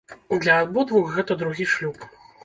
Для абодвух гэта другі шлюб.